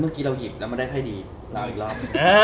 เมื่อกี้เราหยิบแล้วมันได้ค่อยดีลาวอีกรอบ